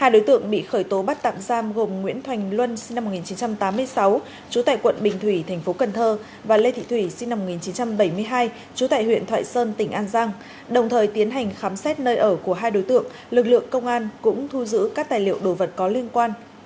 hai đối tượng bị khởi tố bắt tạm giam gồm nguyễn thành luân sinh năm một nghìn chín trăm tám mươi sáu trú tại quận bình thủy thành phố cần thơ và lê thị thủy sinh năm một nghìn chín trăm bảy mươi hai trú tại huyện thoại sơn tỉnh an giang đồng thời tiến hành khám xét nơi ở của hai đối tượng lực lượng công an cũng thu giữ các tài liệu đồ vật có liên quan